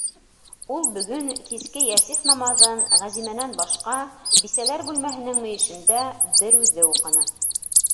Ул бөгөн киске йәсих намаҙын, Ғәзимәнән башҡа, бисәләр бүлмәһенең мөйөшөндә бер үҙе уҡыны.